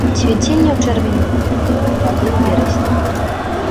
Цвіценне ў чэрвені-ліпені, плады ў верасні.